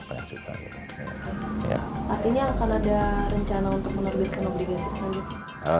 artinya akan ada rencana untuk menerbitkan obligasi selanjutnya